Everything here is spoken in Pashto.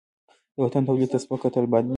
د وطن تولید ته سپک کتل بد دي.